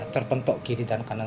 terpentuk kiri dan kanan